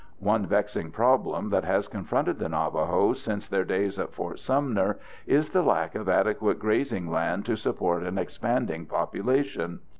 One vexing problem that has confronted the Navajos since their days at Fort Sumner is the lack of adequate grazing land to support an expanding population.